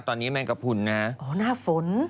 ตอนนี้แมงกระพุนนะอ๋อหน้าฝน